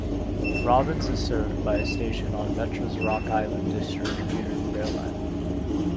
Robbins is served by a station on Metra's Rock Island District commuter rail line.